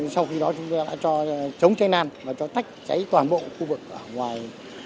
sau khi đó chúng tôi đã cho chống cháy lan và cho tách cháy toàn bộ khu vực ở ngoài